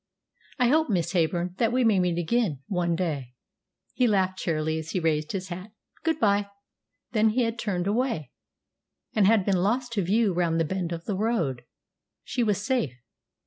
"I hope, Miss Heyburn, that we may meet again one day," he had laughed cheerily as he raised his hat, "Good bye." Then he had turned away, and had been lost to view round the bend of the road. She was safe.